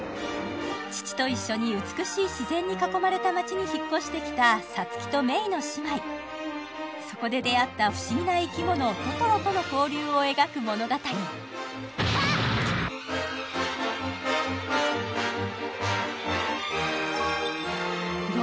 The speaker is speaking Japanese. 父と一緒に美しい自然に囲まれた町に引っ越してきたサツキとメイの姉妹そこで出会った不思議な生き物トトロとの交流を描く物語わっ！